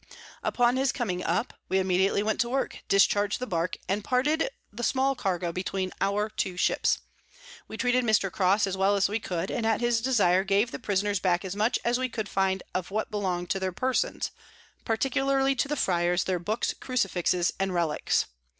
Upon his coming up, we immediately went to work, discharg'd the Bark, and parted the small Cargo between our two Ships. We treated Mr. Crosse as well as we could, and at his desire gave the Prisoners back as much as we could find of what belong'd to their Persons; particularly to the Fryars their Books, Crucifixes, and Reliques.